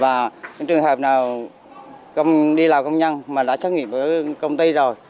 và những trường hợp nào đi làm công nhân mà đã xét nghiệm ở công ty rồi